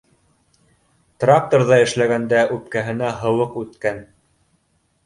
Тракторҙа эшләгәндә үпкәһенә һыуыҡ үткән.